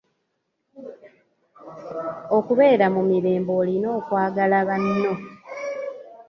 Okubeera mu mirembe olina okwagala banno.